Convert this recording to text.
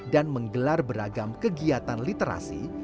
dan menggelar beragam kegiatan literasi